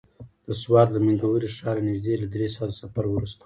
د سوات له مينګورې ښاره نژدې له دری ساعته سفر وروسته.